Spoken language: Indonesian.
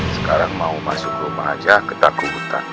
sekarang mau masuk rumah saja ke taku hutan